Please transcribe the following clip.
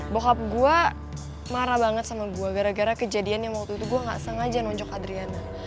bokap gua marah banget sama gua gara gara kejadian yang waktu itu gua gak sengaja nonjok adriana